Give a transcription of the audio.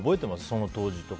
その当時とか。